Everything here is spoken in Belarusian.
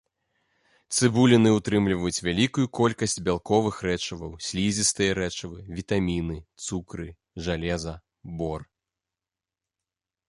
Цыбуліны ўтрымліваюць вялікую колькасць бялковых рэчываў, слізістыя рэчывы, вітаміны, цукры, жалеза, бор.